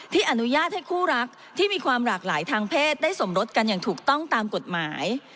อนุญาตให้คู่รักที่มีความหลากหลายทางเพศได้สมรสกันอย่างถูกต้องตามกฎหมาย